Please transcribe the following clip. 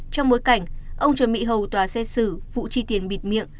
trong bối cảnh ông chuẩn bị hầu tòa xét xử vụ chi tiền bịt miệng